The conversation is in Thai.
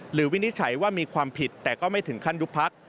หรือวินิจัยว่ามีความผิดแต่ไม่ถึงขั้นยุคภัภ